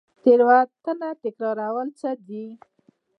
تیروتنه تکرارول څه دي؟